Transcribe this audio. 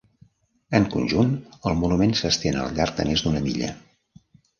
En conjunt, el monument s'estén al llarg de més d'una milla.